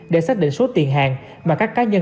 để xác định số tiền hàng mà các cá nhân